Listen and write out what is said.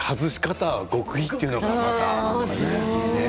外し方が極秘というのも、またね。